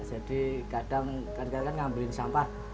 jadi kadang kadang ngambilin sampah